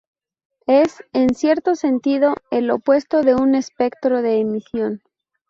Es, en cierto sentido, el opuesto de un espectro de emisión.